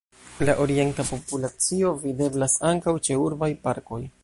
La orienta populacio videblas ankaŭ ĉe urbaj parkoj.